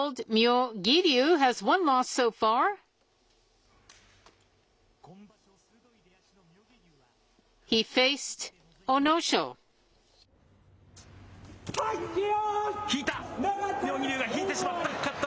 妙義龍が引いてしまった。